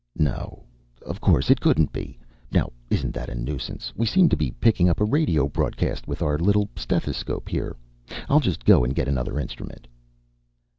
"No, of course it couldn't be. Now isn't that a nuisance? We seem to be picking up a radio broadcast with our little stethoscope here. I'll just go and get another instrument."